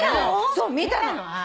そう見たの！